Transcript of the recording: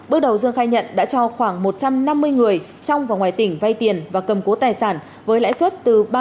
bước đầu dương khai nhận đã cho khoảng một trăm năm mươi người trong và ngoài tỉnh vay tiền và cầm cố tài sản với lãi suất từ ba sáu đồng một triệu mỗi ngày